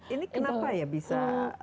ini kenapa ya bisa